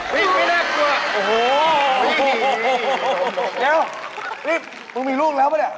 เดี๋ยวนี่มึงมีลูกแล้วปะเนี่ย